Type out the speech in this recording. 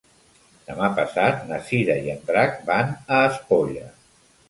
Demà passat na Cira i en Drac van a Espolla.